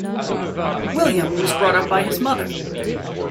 William was brought up by his mother.